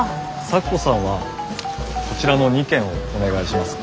咲子さんはこちらの２軒をお願いします。